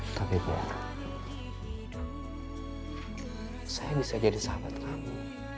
tapi biar saya bisa jadi sahabat kamu